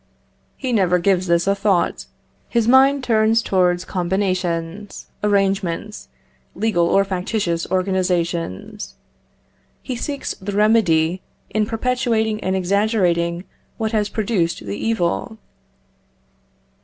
He never gives this a thought. His mind turns towards combinations, arrangements, legal or factitious organisations. He seeks the remedy in perpetuating and exaggerating what has produced the evil.